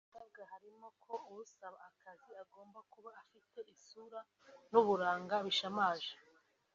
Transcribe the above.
mu bisabwa harimo ko usaba akazi agomba kuba afite isura n’uburanga bishamaje